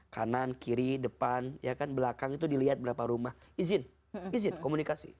kanan kiri depan belakang itu dilihat berapa rumah izin izin komunikasi